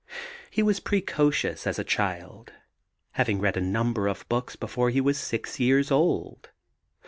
He was precocious as a child, having read a number of books before he was six years old.